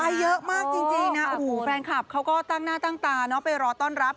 ไปเยอะมากจริงนะฟังคลับเขาก็ตั้งหน้าตั้งตาไปรอต้อนรับ